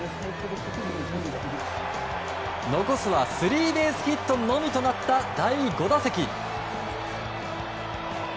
残すはスリーベースヒットのみとなった第５打席。